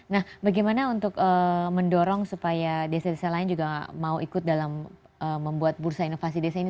nah bagaimana untuk mendorong supaya desa desa lain juga mau ikut dalam membuat bursa inovasi desa ini